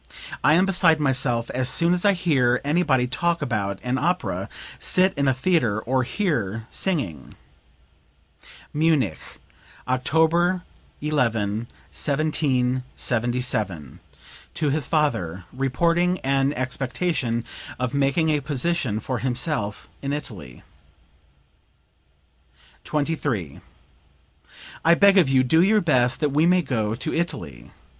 I am beside myself as soon as I hear anybody talk about an opera, sit in a theatre or hear singing." (Munich, October 11, 1777, to his father, reporting an expectation of making a position for himself in Italy.) 23. "I beg of you do your best that we may go to Italy.